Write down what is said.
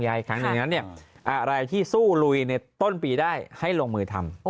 อีกครั้งหนึ่งนั้นเนี่ยอะไรที่สู้ลุยในต้นปีได้ให้ลงมือทำ